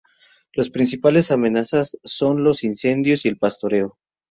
Las principales amenazas son los incendios y el pastoreo.